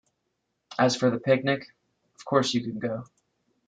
As for the picnic, of course you can go.